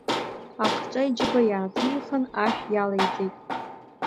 Ахҿа иџьыба иааҭихын ашә иалеиҵет.